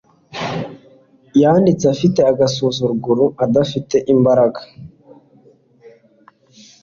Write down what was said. Yanditse afite agasuzuguro adafite imbaraga